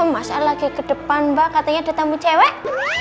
masa lagi ke depan mbak katanya ada tamu cewek